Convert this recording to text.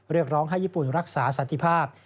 เรียกร้องให้ญี่ปุ่นรักษาสันติภาพ